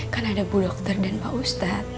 kan ada bu dokter dan pak ustadz